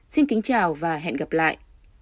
xin kính chào và hẹn gặp lại